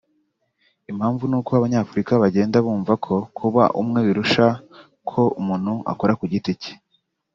Impamvu ni uko abanyafurika bagenda bumva ko kuba umwe birusha ko umuntu akora ku giti cye